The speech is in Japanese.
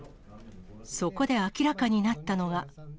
そこで明らかになったのが。